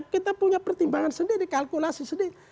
kita punya pertimbangan sendiri kalkulasi sendiri